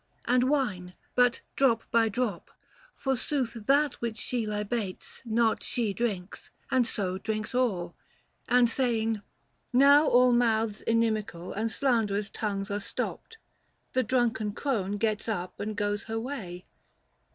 And wine— but drop by drop — for sooth that which She libates not she drinks, and so drinks all ; And saying —" Now all mouths inimical [620 And slanderous tongues are stopped," the drunken crone Gets up and goes her way.